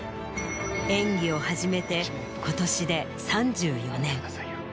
演技を始めて今年で３４年。